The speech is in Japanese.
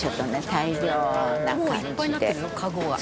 大量な感じで作る。